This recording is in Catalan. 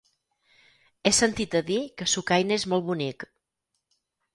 He sentit a dir que Sucaina és molt bonic.